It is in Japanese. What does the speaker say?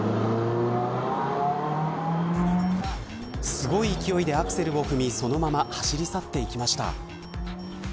すごい勢いでアクセルを踏みそのまま走り去って行きました。